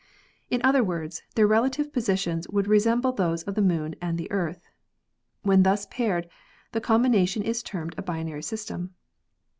In other words, their relative positions would resemble those of the Moon and the Earth. When thus paired the combi nation is termed a binary system.